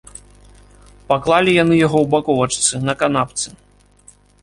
Паклалі яны яго ў баковачцы, на канапцы.